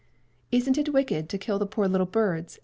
"Isn't it wicked to kill the poor little birds?"